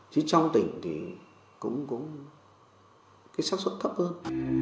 chứ trong tỉnh thì cũng có cái sát xuất thấp hơn